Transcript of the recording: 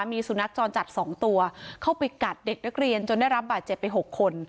มีสุนัขจรจัด๒ตัวเข้าไปกัดเด็กนักเรียนจนได้รับบาดเจ็บไป๖คน